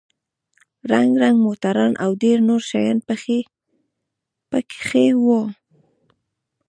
رنگ رنگ موټران او ډېر نور شيان پکښې وو.